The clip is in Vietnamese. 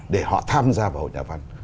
để họ tham gia vào hội nhà văn